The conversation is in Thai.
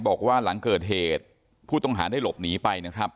บอกว่าหลังเกิดเหตุผู้ต้องหาได้หลบหนีไปนะครับ